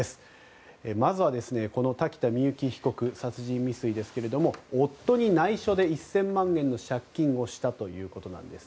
まずはこの瀧田深雪被告殺人未遂ですけれども夫に内緒で１０００万円の借金をしたということです。